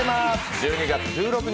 １２月１６日